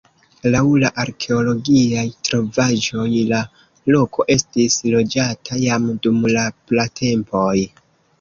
Laŭ la arkeologiaj trovaĵoj la loko estis loĝata jam dum la pratempoj.